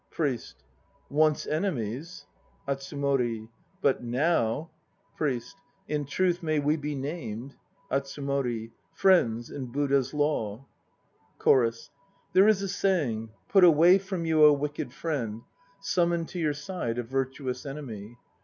1 PRIEST. Once enemies ... ATSUMORI. But now ... PRIEST. In truth may we be named ... ATSUMORI. Friends in Buddha's Law. CHORUS. There is a saying, "Put away from you a wicked friend; summon to your side a virtuous enemy."